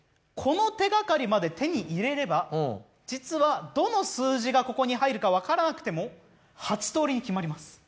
この手がかりまで手に入れれば実はどの数字がここに入るか分からなくても８通りに決まります。